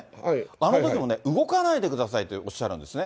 あのときも動かないでくださいっておっしゃるんですね。